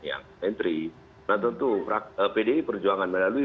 yang menteri nah tentu pdi perjuangan melalui